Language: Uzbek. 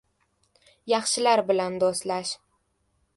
— Yaxshilar bilan do‘stlash.